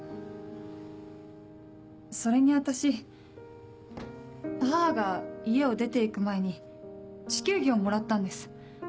それに私母が家を出て行く前に地球儀をもらったんです。